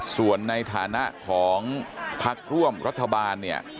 ส่วนในฐานะของพักร่วมรัฐบาลเนี่ย